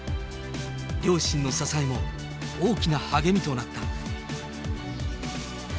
両親の支えも大きな励みとなった。